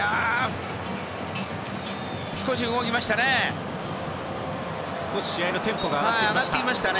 少し動きましたね。